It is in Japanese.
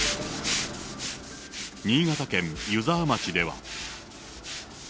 新潟県湯沢町では。